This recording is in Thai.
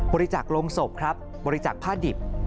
บริจาคโรงศพครับบริจักษ์ผ้าดิบ